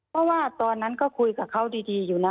เพราะว่าตอนนั้นก็คุยกับเขาดีอยู่นะ